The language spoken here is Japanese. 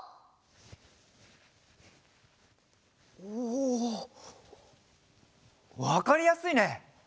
おおわかりやすいね！